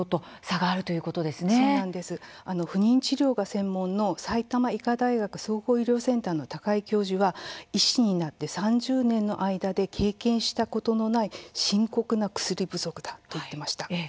不妊治療が専門の埼玉医科大学総合医療センターの高井教授は医師になって３０年の間で経験したことのない深刻な薬不足だと言っていました。